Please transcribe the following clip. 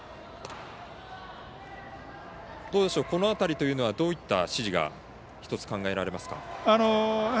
この辺りというのはどういった指示が考えられますか。